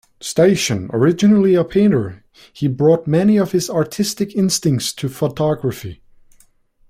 Steichen, originally a painter, he brought many of his artistic instincts to photography.